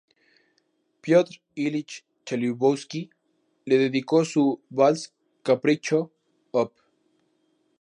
Piotr Ilich Chaikovski le dedicó su "Vals-Capricho", Op.